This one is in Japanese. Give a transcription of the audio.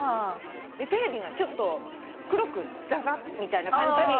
でテレビがちょっと黒くザザッみたいな感じに。